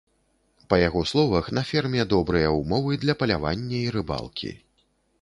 Па яго словах, на ферме добрыя ўмовы для палявання і рыбалкі.